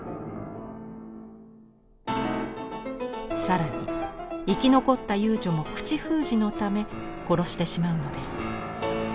更に生き残った遊女も口封じのため殺してしまうのです。